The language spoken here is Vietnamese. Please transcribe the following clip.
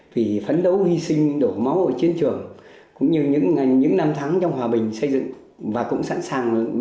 thì phấn đấu hy sinh đổ máu ở chiến trường cũng như những năm tháng trong hòa bình xây dựng và cũng sẵn sàng